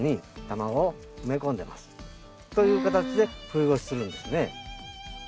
という形で冬越しするんですね。